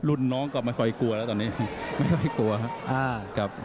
รุ่นน้องก็ไม่ค่อยกลัวแล้วตอนนี้ไม่ค่อยกลัวครับ